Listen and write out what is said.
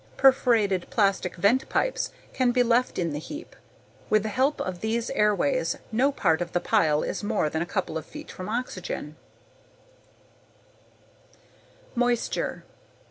Perforated plastic vent pipes can be left in the heap. With the help of these airways, no part of the pile is more than a couple of feet from oxygen _Moisture.